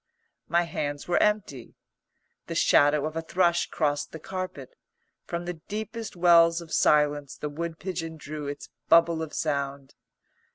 My hands were empty. The shadow of a thrush crossed the carpet; from the deepest wells of silence the wood pigeon drew its bubble of sound.